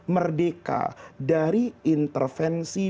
merdeka dari intervensi